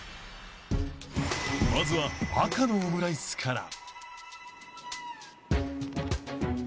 ［まずは赤のオムライスから］